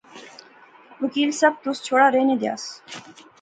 وکیل صاحب، تس چھوڑا، رہنے دیا س